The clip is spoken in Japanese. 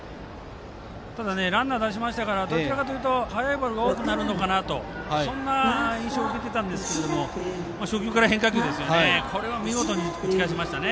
ただランナーを出したのでどちらかというと速いボールが多くなるかなとそんな印象を受けていたんですが初球から変化球でしたがこれを見事に打ち返しましたね。